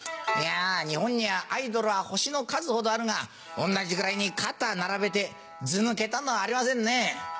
いや日本にはアイドルは星の数ほどあるが同じぐらいに肩並べてずぬけたのはありませんね。